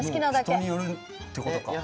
人によるってことか。